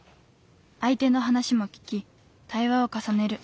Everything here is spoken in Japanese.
相手の話も聞き対話を重ねる。